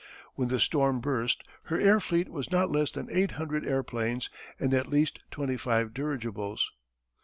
When the storm burst her air fleet was not less than eight hundred airplanes, and at least twenty five dirigibles.